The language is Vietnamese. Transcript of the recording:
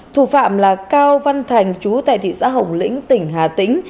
thủ phạm là cao văn thành chú tại thị xã hồng lĩnh tỉnh hà tĩnh